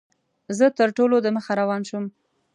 زه تر ټولو دمخه روان شوم.